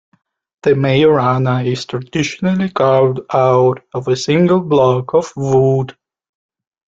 The mejorana is traditionally carved out of a single block of wood.